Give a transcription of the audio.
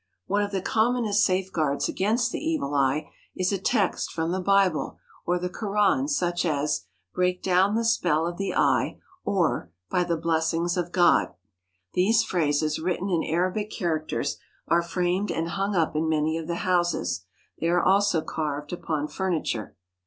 One of the commonest safeguards against the evil eye is a text from the Bible or the Koran such as: "Break down the spell of the Eye"; or " By the blessings of God." These phrases written in Arabic characters are framed and hung up in many of the houses. They are also carved upon furniture.